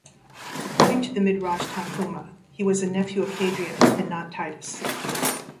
According to the midrash Tanhuma he was a nephew of Hadrian, and not Titus.